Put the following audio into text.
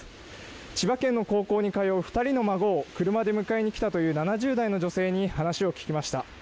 千葉県の高校に通う２人の孫を車で迎えに来たという７０代の女性に話を聞きました。